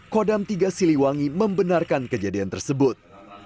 kodam tiga siliwangi membenarkan kejadian tersebut